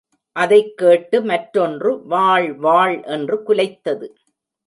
அதைக்கேட்டு மற்றொன்று வாள் வாள் என்று குலைத்தது.